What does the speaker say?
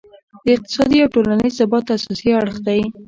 د اقتصادي او ټولینز ثبات اساسي اړخ دی.